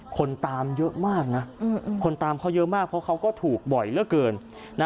คนตามเยอะมากนะคนตามเขาเยอะมากเพราะเขาก็ถูกบ่อยเหลือเกิน